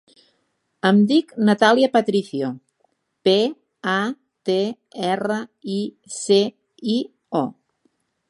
Em dic Natàlia Patricio: pe, a, te, erra, i, ce, i, o.